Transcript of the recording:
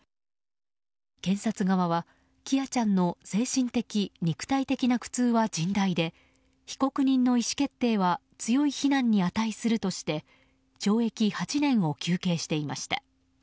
検察側は喜空ちゃんの精神的・肉体的な苦痛は甚大で被告人の意思決定は強い非難に値するとして懲役８年を求刑していました。